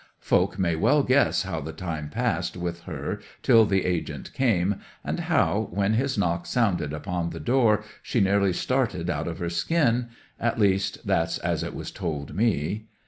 'Folk may well guess how the time passed with her till the agent came, and how, when his knock sounded upon the door, she nearly started out of her skin—at least that's as it was told me.